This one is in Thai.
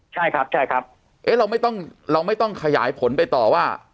ใช่ครับใช่ครับเราไม่ต้องขยายผลไปต่อว่า